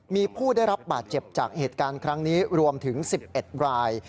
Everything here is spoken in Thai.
มีผู้ได้รับบาดเจ็บจากเหตุการณ์ครั้งนี้รวมถึง๑๑ราย